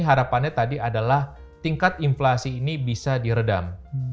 harapannya tadi adalah tingkat inflasi ini bisa diredam